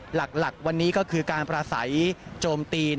หลักวันนี้ก็คือการประสัยโจมตีน